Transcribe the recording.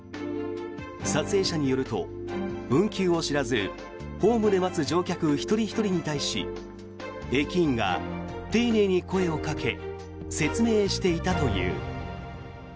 撮影者によると運休を知らずホームで待つ乗客一人ひとりに対し駅員が丁寧に声をかけ説明していたという。